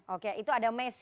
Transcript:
oke itu ada mesej